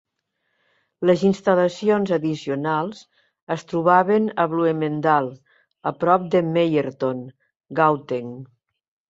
Les instal·lacions addicionals es trobaven a Bloemendal, a prop de Meyerton, Gauteng.